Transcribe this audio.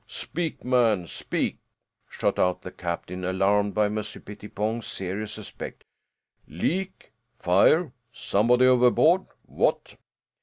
"Speak, man, speak!" shot out the captain, alarmed by Monsieur Pettipon's serious aspect. "Leak? Fire? Somebody overboard? What?"